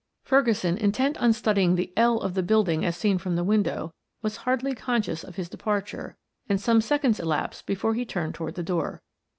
Ferguson, intent on studying the "L" of the building as seen from the window, was hardly conscious of his departure, and some seconds elapsed before he turned toward the door.